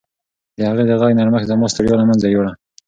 د هغې د غږ نرمښت زما ستړیا له منځه یووړه.